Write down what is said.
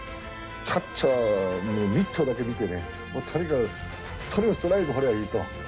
キャッチャーのミットだけ見てねとにかくストライク放りゃいいと。